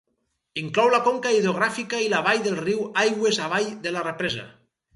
Inclou la conca hidrogràfica i la vall del riu aigües avall de la represa.